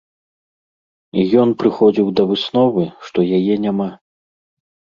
І ён прыходзіў да высновы, што яе няма.